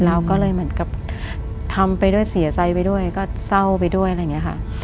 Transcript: เราก็เลยเหมือนกับทำไปด้วยเสียใจไปด้วยก็เศร้าไปด้วยอะไรอย่างนี้ค่ะ